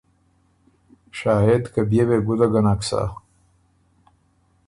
شاهد که بيې وې ګُده ګۀ نک سۀ۔